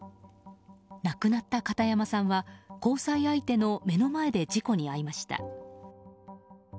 亡くなった片山さんは交際相手の目の前で事故に遭いました。